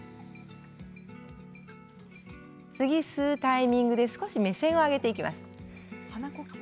次に吸うタイミングで少し目線を上げていきます。